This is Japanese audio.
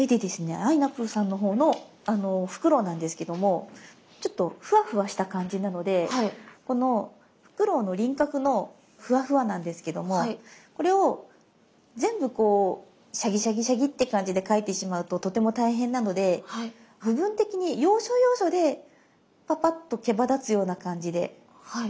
あいなぷぅさんのほうのフクロウなんですけどもちょっとふわふわした感じなのでこのフクロウの輪郭のふわふわなんですけどもこれを全部こうシャギシャギシャギって感じで描いてしまうととても大変なので部分的に要所要所でパパッとけばだつような感じで描いていきます。